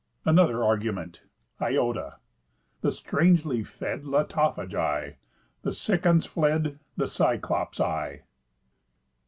ANOTHER ARGUMENT ᾿Ιω̑τα. The strangely fed Lotophagi. The Cicons fled. The Cyclop's eye.